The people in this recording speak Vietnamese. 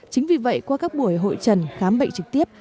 chính vì vậy qua các buổi hội trần khám bệnh trực tiếp